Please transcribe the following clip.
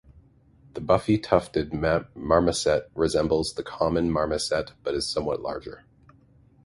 The buffy-tufted marmoset resembles the common marmoset but is somewhat larger.